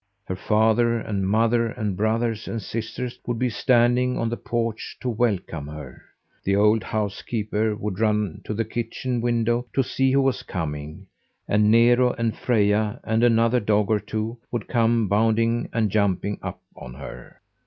Her father and mother and brothers and sisters would be standing on the porch to welcome her; the old housekeeper would run to the kitchen window to see who was coming, and Nero and Freja and another dog or two would come bounding and jumping up on her.